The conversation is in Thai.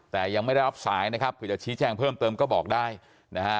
แต่ยังไม่ได้รับสายนะครับเผื่อจะชี้แจ้งเพิ่มเติมก็บอกได้นะฮะ